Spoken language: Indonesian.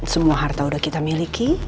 semua harta sudah kita miliki